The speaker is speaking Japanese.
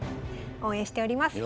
応援しております。